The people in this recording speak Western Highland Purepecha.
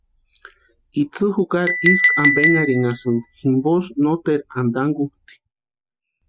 Itsï jukari isku ampenharhinhasïnti jimposï noteru antankutʼi.